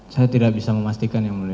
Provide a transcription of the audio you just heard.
saya tidak bisa memastikan yang mulia